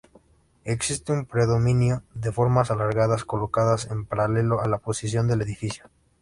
Existe un predominio de formas alargadas colocadas en paralelo a la posición del edificio.